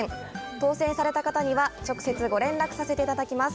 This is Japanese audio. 当せんされた方には、直接ご連絡させていただきます。